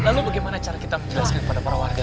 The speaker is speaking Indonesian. lalu bagaimana cara kita menjelaskan kepada para warga